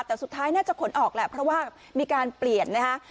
แต่สุดท้ายน่าจะขนออกแหละเพราะว่ามีการเปลี่ยนนะฮะ